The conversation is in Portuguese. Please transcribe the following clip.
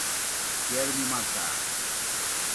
Quero me matar!